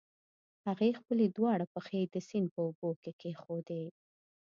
هغې خپلې دواړه پښې د سيند په اوبو کې کېښودې.